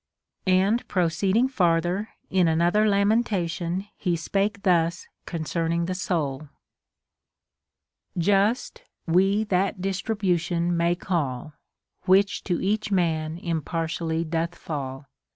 And proceeding farther, in another lamentation he spake thus concerning the soul :— Just we that distribution may call, Which to each man impartially doth fall.